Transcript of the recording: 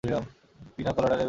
পিনা কোলাডা নেবে?